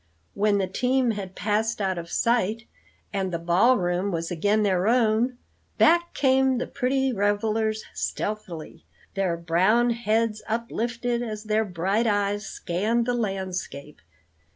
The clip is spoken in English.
When the team had passed out of sight and the ball room was again their own, back came the pretty revelers stealthily, their brown heads uplifted as their bright eyes scanned the landscape.